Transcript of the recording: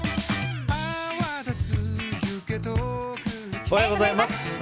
おはようございます。